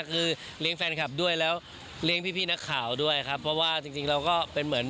คือเลี้ยงแฟนคลับด้วยแล้วเลี้ยงพี่นักข่าวด้วยครับเพราะว่าจริงเราก็เป็นเหมือน